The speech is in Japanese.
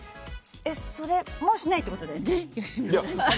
それもしないってことだよね？